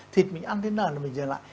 thịt mình ăn thế nào là mình dừng lại